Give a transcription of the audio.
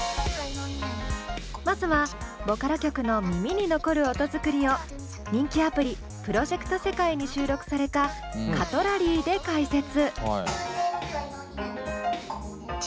まずはボカロ曲の耳に残る音作りを人気アプリ「プロジェクトセカイ」に収録された「カトラリー」で解説。